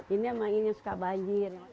ini sama ini suka banjir